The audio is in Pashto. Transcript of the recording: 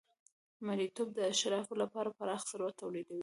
مریتوب د اشرافو لپاره پراخ ثروت تولیدوي.